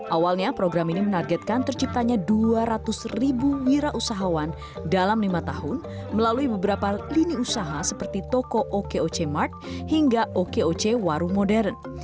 awalnya program ini menargetkan terciptanya dua ratus ribu wira usahawan dalam lima tahun melalui beberapa lini usaha seperti toko okoc mark hingga okoc warung modern